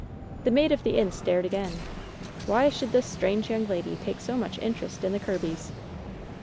The maid of the inn stared again. Why should this strange young lady take so much interest in the Kirbys